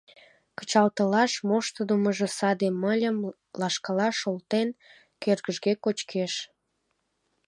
Кычалтылаш моштыдымыжо саде мыльым, лашкала шолтен, кӧргыжге кочкеш.